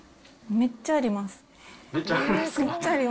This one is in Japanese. めっちゃあります。